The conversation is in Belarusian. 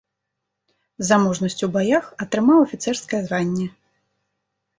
За мужнасць у баях атрымаў афіцэрскае званне.